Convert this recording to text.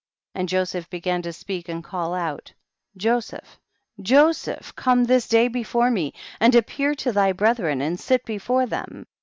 And Joseph began to speak and call out, Joseph, Joseph, come this day before me, and appear to thy brethren and sit before them.